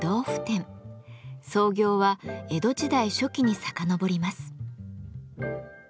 創業は江戸時代初期にさかのぼります。